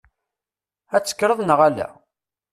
Ad tekkreḍ neɣ ala?